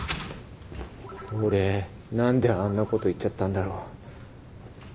俺何であんなこと言っちゃったんだろ。